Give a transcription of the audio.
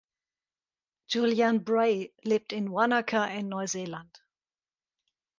Juliane Bray lebt in Wanaka in Neuseeland.